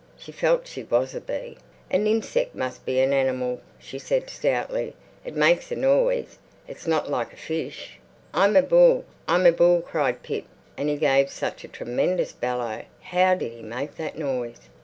She felt she was a bee. "A ninseck must be an animal," she said stoutly. "It makes a noise. It's not like a fish." "I'm a bull, I'm a bull!" cried Pip. And he gave such a tremendous bellow—how did he make that noise?